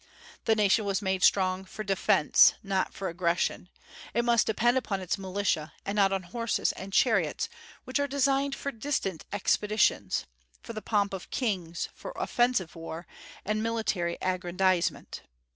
The nation was made strong for defence, not for aggression. It must depend upon its militia, and not on horses and chariots, which are designed for distant expeditions, for the pomp of kings, for offensive war, and military aggrandizement.